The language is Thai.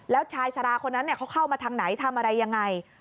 แล้วชายสาราคนนั้นเขาเข้ามาทางไหนทำอะไรยังไง